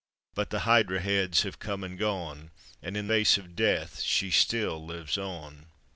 '' But the hydra heads have come and gone, And in face of death she still lives on.